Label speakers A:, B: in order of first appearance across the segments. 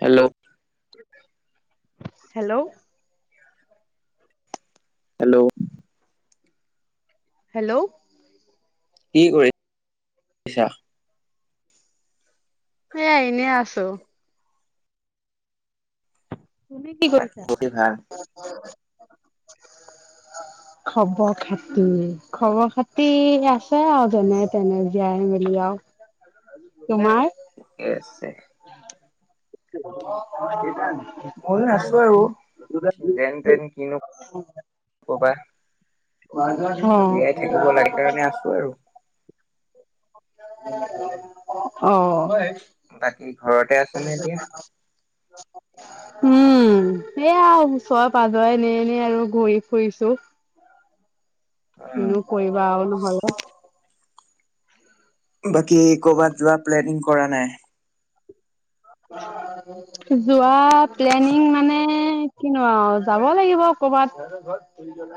A: Hello.
B: Hello.
A: Hello.
B: Hello!
A: কি কৰি কৰিছা?
B: এনেই আৰু এনেই আছোঁ। তুমি কি কৰিছা?
A: বাকী ভাল
B: খবৰ খাতি, খবৰ খাতি আছোঁ আৰু যেনে তেনে জীয়াই মেলি আৰু্ তোমাৰ?
A: ঠিকে আছে।
B: [unintelligible]
A: ময়ো আছোঁ আৰু যেন তেন, কিনো কবা। জীয়াই থাকিব লাগে কাৰণে আছো আৰু
B: [unintelligible] অ হয়।
A: বাকী ঘৰতে আছে নে এতিয়া?
B: উম এতিয়া ওচৰে পাজৰে এনেই এনেই আৰু ঘূৰি ফুৰিছোঁ। কিনো কৰিবা আৰু নহলে।
A: বাকি এই কৰবাত যোৱা প্লেনিং ক কৰা নাই?
B: যো ৱা প্লেনিং মানে কিনো আৰু যাব লাগিব কৰবাত,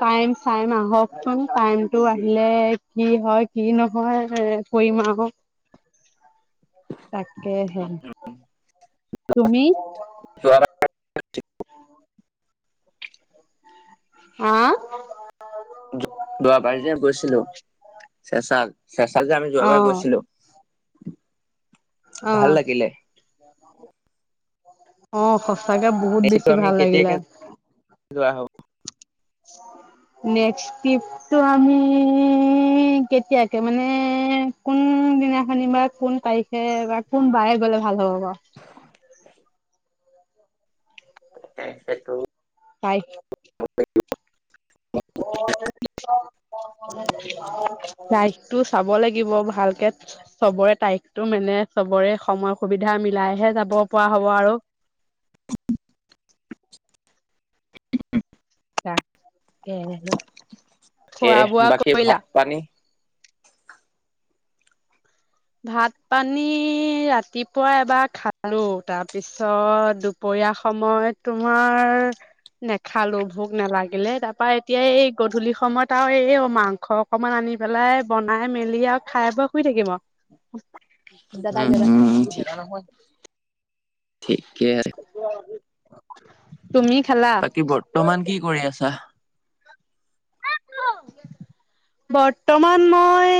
B: টাইম চাইম আহকচোন টাইম টো আহিলে কি হয় কি নহয় কৰিম আৰু। তাকে হে। তুমি?
A: যোৱাবাৰ
B: আহ?
A: দোৱাবাৰীলে গৈছিলোঁ। চে চাল চেঁচা ত যে আমি
B: অ
A: যোৱাবাৰ গৈছিলো ভাল লাগিলে
B: অঁ ক চাগে বহুত
A: এইটো
B: বেছি
A: আমি
B: ভাল লাগিলে
A: কেতিয়াকে যোৱা হ'ব?
B: নেক্টো টিপটো আমি কেতিয়াকে মানে কোন দিনাখন বা কোন তাৰিখে বা কোনবাৰে গ'লে ভাল হ'ব বাৰু
A: উ তাকে সেইটো
B: তাৰিখতো
A: [unintelligible]
B: তাৰিখটো চাব লাগিব ভালকে চবৰে তাৰিখটো মানে চবৰে সময় সুবিধা মিলাইহে যাব পৰা হব আৰু
A: [unintelligible]
B: তাকে
A: তাকে বাকী ভাত পানী?
B: ভাত পানী ৰাতিপুৱা এবাৰ খালো। তাৰপিছত দুপৰীয়া সময়ত তোমাৰ নেখালো ভোক নেলাগিলে। তাৰপৰা এতিয়া এই গধূলি সময়ত আৰু এই অ মাংস অকমান আনি পেলাই বনাই মেলি আৰু খাই ব শুই থাকিম আও। অ [inaudible] দাদা
A: উম
B: দাদা
A: উম
B: তোৰ
A: ঠিক
B: দাদা নহয়
A: ঠিকে আছে
B: তুমি খালা?
A: বাকী বৰ্তমান কি কৰি আছা?
B: বৰ্তমান মই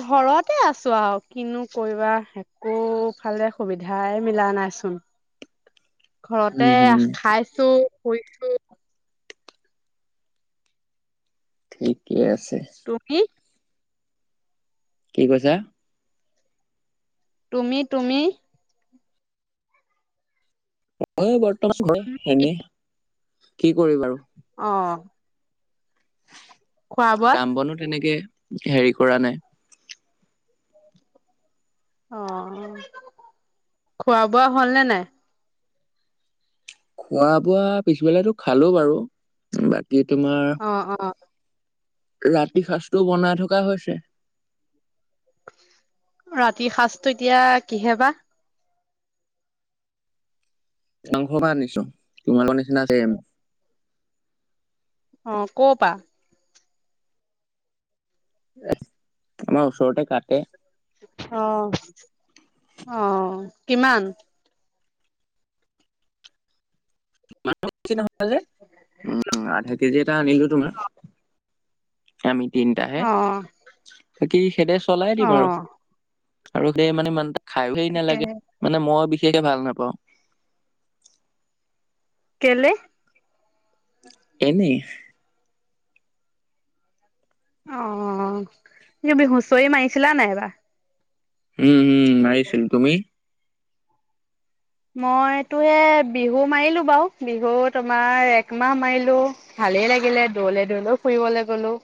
B: ঘৰতে আছো আৰু কিনো কৰিবা একোফালে সুবিধাই মিলা নাইচোন। ঘৰতে
A: উম হম
B: খাইছো। শুইছো।
A: ঠিকেই আছে।
B: তুমি?
A: কি কৈছা?
B: তুমি তুমি?
A: ময়ো বত বৰ্তমান আছো ঘৰত এনে কি কৰি বাৰু
B: অ খোৱা বোৱা
A: কাম বনো তেনেকে হেৰি কৰা নাই।
B: অ খোৱা বোৱা হল নে নাই?
A: খোৱা বোৱা পিছবেলাটো খালো বাৰু। বাট কি তোমাৰ
B: অ অ
A: ৰাতি সাঁজটো বনাই থকা হৈছে।
B: ৰাতিৰ সাজটো এতিয়া কিহে বা?
A: মাংস আনিছো। তোমালোকৰ নিচিনা চেম।
B: অ ক'পা?
A: আমাৰ ওচৰতে কাটে।
B: অ অ কিমান?
A: মান নহ [inaudible] উম কেজি এটা আনিলো তোমাৰ। আমি তিনটাহে
B: অ
A: বাকী সেদে চলাই
B: অ
A: দিম আৰু। আৰু সেই মানে মান খাই সেই
B: তাকে
A: নালাগে মানে মই কেকে ভাল নাপাওঁ।
B: কেলে?
A: এনেই।
B: অ, স কিব হুঁচৰি মাৰিছিলা নাই এইবাৰ?
A: উম উম আহিছিল তুমি,
B: মইতো এ বিহু মাৰিলো বাৰু বিহু তোমাৰ একমাহ মাৰিলো ভালেই লাগিলে দৌৰলে দৌৰলে ফুৰিবলৈ গলো।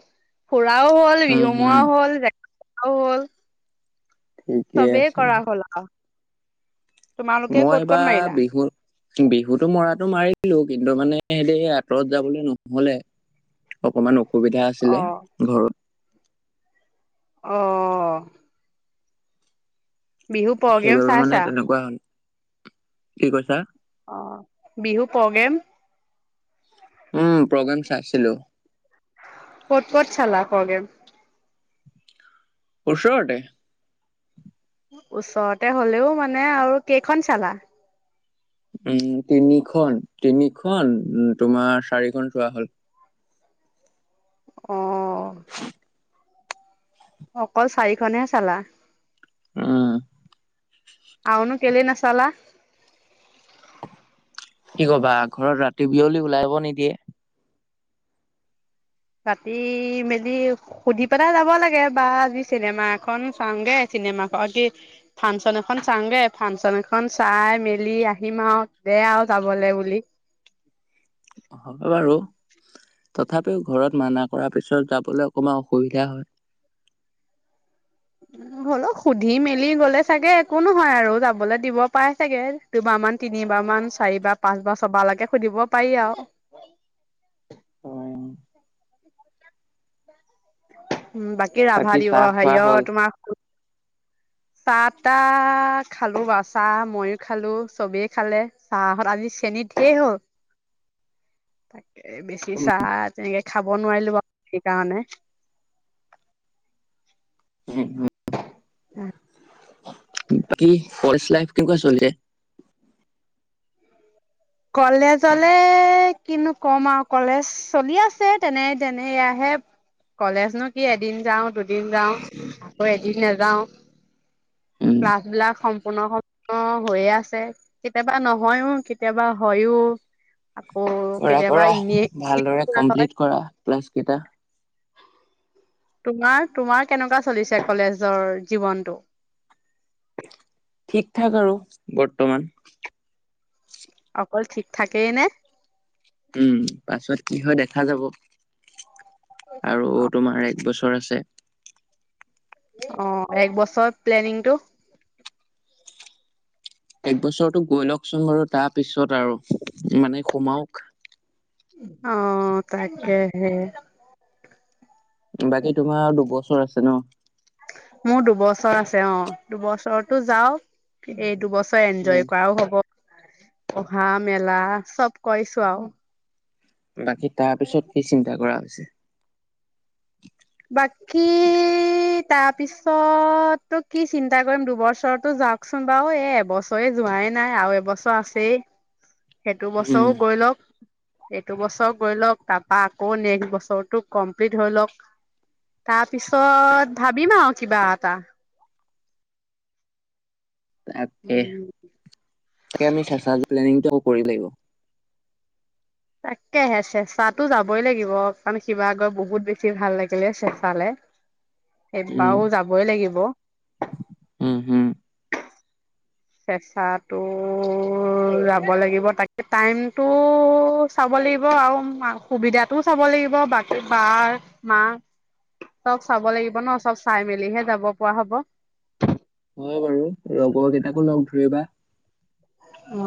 B: খুৰাও হ'ল
A: উম হম
B: বিহুমোৱাও হ'ল। অ
A: ঠিকে
B: চবেই
A: আছে
B: কৰা হ'ল। তোমালোকে
A: মই
B: ক'ত ক'ত
A: এইবাৰ
B: মাৰিলা
A: বিহু বিহুতো মৰাতো মাৰিলো, কিন্তু মানে সেই আঁতৰত যাবলৈ নহলে অকমান অসুবিধা
B: অ
A: আছিলে ঘৰত।
B: অ। বিহু প্ৰগ্ৰেম
A: সেইবাবে মানে
B: চাইছা?
A: তেনেকুৱা হল কি কৈছা?
B: অ বিহু প্ৰগ্ৰেম
A: উম প্ৰগ্ৰেম চাইছিলো
B: কত কত চালা প্ৰগ্ৰেম?
A: ওচৰতে।
B: ওচৰতে হ'লেও মানে আৰু কেইখন চালা?
A: উম তিনিখন তিনিখন উম তোমাৰ চাৰিখন চোৱা হ'ল।
B: অ। অকল চাৰিখনেহে চালা
A: উম।
B: আৰু নো কেলে নাচালা
A: কি কবা ঘৰত ৰাতি বিয়লি ওলাব নিদিয়ে
B: ৰাতি মেলি সুধি পেলাই যাব লাগে বা আজি চিনেমা এখন চাওঁগে চিনেমা ফাংচন এখন চাওঁগে ফাংচন এখন চাই মেলি আহিম আৰু দে আৰু যাবলৈ বুলি,
A: হব বাৰু তথাপিও ঘৰত মানা কৰাৰ পিছত যাবলৈ অকমান অসুবিধা হয়।
B: উম হ'ল সুধি মেলি গলে চাগে একো নহয় আৰু যাবলে দিব পাই চাগে দুবাৰ মান তিনিবাৰ মান চাৰিবাৰ পাঁচবাৰ চবালৈকে সুধিব পাৰি আৰু উম বাকী ৰাভা দি অ
A: চাহ খোৱা
B: হেৰিয় অ
A: হল
B: তোমাৰ চাহ তাহ খালো বাৰু চাহ ময়ো খালো চবেই খালে চাহ হত আজি চেনীত ঢেৰ হল তাকে বেছি চাহ তেনেকে খাব নোৱাৰিলো বাৰু সেইকাৰণে
A: উম উম। উ। কি ফৰেষ্ট লাইফ কেনেকুৱা চলিছে?
B: কলেজলে কিনু কম আৰু কলেজ চলি আছে তেনে তেনেয় আহে কলেজনো কি এদিন যাঁও দুদিন যাওঁ আকৌ এদিন নাযাওঁ
A: উম
B: ক্লাছ বিলাক সম্পূৰ্ণ সম্পূৰ্ণ হৈয়ে আছে কেতিয়াবা নহয়ও কেতিয়াবা হয় ওঁ
A: কৰা কৰা ভালদৰে
B: হয়
A: কমপ্লিট কৰা ক্লাছ কেইটা
B: তোমাৰ তোমাৰ কেনেকুৱা চলিছে কলেজৰ জীৱনটো
A: ঠিক ঠাক আৰু বৰ্তমান
B: অকল ঠিক থাকেই নে
A: উম পাছত কি হয় দেখা যাব। আৰু তোমাৰ এক বছৰ ওচ আছে।
B: অঁ এক বছৰ প্লেনিং টো
A: এক বছৰটো গৈ লওঁকচোন বাৰু তাৰপিছত আৰু মানে সোমাওঁক
B: অঁ তাকেহে
A: বাকী তোমা আৰু দুবছৰ ছৰ আছে ন
B: মোৰ দুবছৰ আছে অঁ দুবছৰ টো যাওঁক, এই দুবছৰ য়
A: উম
B: এনজয় কৰাও হ'ব অহা মেলা চব কৈছো আৱ
A: বাকী তাৰ পিছত কি চিন্তা কৰা হৈছে হৈছে
B: বাকী তাৰপিছত টো কি চিন্তা কৰিম দুবছৰ টো যাওঁকচোন বাৰু এ এবছৰে যোৱাই নাই আৰু এবছৰ আছেই সেইটো
A: উম
B: বছৰওঁ গৈ লওক এইটো বছৰ গৈ লওক তাপা আকৌ নেক্সট বছৰটো কমপ্লিট হৈ লওঁক তা পিছত ভাবিম আৱ কিবা এটা
A: তাকে
B: উম
A: তাকে আমি চেঁচা জৰ প্লানিং কৰি লাগিব
B: তাকেহে চেঁচাতো যাবই লাগিব কাৰণ শিৱসাগৰ বহুত বেছি ভাল লাগিলে চেঁচালে
A: উম
B: এইবাও যাবই লাগিব
A: উম হম
B: চেঁচাটো যাব লাগিব তাকে টাইমটো চাব লাগিব আৰু সুবিধাটো চাব লাগিব বাকী বাৰ মাহ চব চাব লাগিব ন চব চাই মেলিহে যাব পৰা হ'ব
A: হয় বাৰু লগৰ কেইটাকো লগ ধৰিবা
B: অ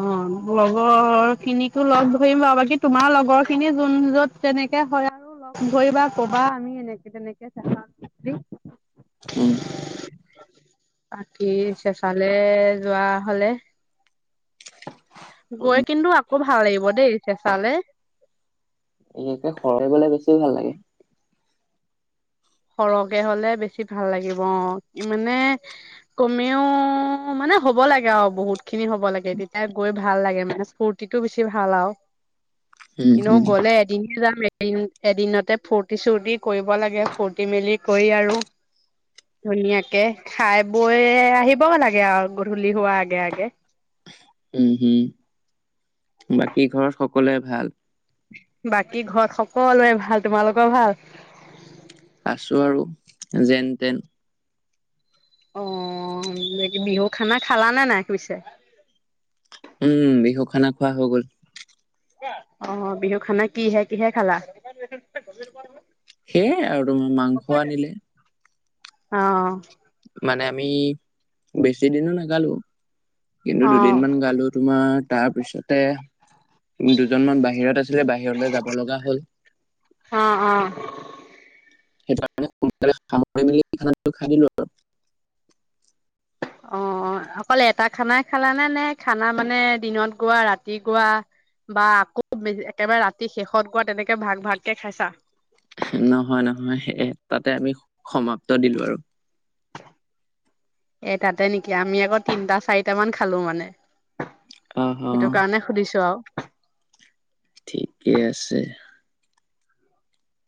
B: লগৰ খিনিকো লগ ধৰিম বাৰু বাকী তোমাৰ লগৰ খিনি যোন য'ত যেনেকে হয় আৰু লগ ধৰিবা কবা আমি এনেকে তেনেকে চেঁচাত যাম
A: উম
B: বুলি। বাকী চেঁচালে যোৱা হ'লে গৈ কিন্তু আকৌ ভাল লাগিব দেই চেঁচালে
A: এনেকে সৰহ বেছি ভাল লাগে
B: সৰহকে হ'লে বেছি ভাল লাগিব অঁ মানে কমেও মানে হ'ব লাগে আৰু বহুত খিনি হ'ব লাগে তেতিয়া গৈ ভাল লাগে মানে ফূৰ্তিটো বেছি ভাল আৱ
A: উম
B: ইনো
A: হম
B: গ'লে এদিন হে যাম এদিন এদিনতে ফূৰ্তি চূৰ্তি কৰিব লাগে ফূৰ্তি কাটি মেলি কৰি আৰু ধুনীয়াকে খাই বৈ আহিব লাগে আৱ গধ
A: উম হোম বাকী ঘৰত সকলোৰে ভাল
B: বাকী ঘৰত সকলোৰে ভাল, তোমালোকৰ ভাল।
A: আছোঁ আৰু যেন তেন।
B: অ এই বিহু খানা খালানে নাই, পিছে?
A: উম বিহু খানা খোৱা হৈ গ'ল।
B: আহ বিহু খানা কিহে কিহে খালা?
A: সেয়াই আৰু তোম মাংস আনিলে।
B: অ'।
A: মানে আমি বেছি দিনো নেগালোঁ। কিন্তু
B: অ
A: দুদিন মান গালো তোমাৰ তাৰপিছতে দুজনমান বাহিৰত আছিলে, বাহিৰলে যাব লগা হ'ল।
B: অ অ
A: সেইটোকাৰণে সোনকালে সামৰি মেলি খানাটো খাই দিলো আৰু
B: অ অকল এটা খানাই খালানে, নে খানা মানে দিনত গোৱা ৰাতি গোৱা বা আকৌ একেবাৰে ৰাতি শেষত গোৱা তেনেকে ভাগ ভাগকে খাইছা।
A: নহয় নহয় তাতে আমি সমাপ্ত দিলো আৰু।
B: এ তাতে নেকি আমি আকৌ তিনটা চাৰিটা মান খালো মানে।
A: অ অ
B: সেইটো কাৰণে সুধিছো আৰু।
A: ঠিকেই আছে।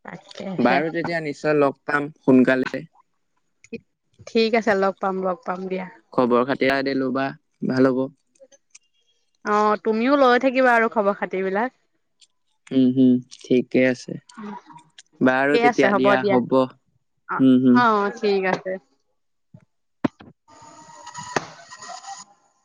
B: তাকেহে
A: বাৰু তেতিয়া নিশ্চয় লগ পাম সোনকালে।
B: ঠিক আছে লগ পাম লগ পাম দিয়া।
A: এয়া দিয়া ল'বা ভাল হ'ব।
B: অ তুমিও লৈ থাকিবা, আৰু খবৰ খাতি বিলাক।
A: উম হম ঠিকে আছে বাৰু তেতিয়া দিয়া হ'ব
B: অ
A: হম। হম।
B: অ [unintelligible]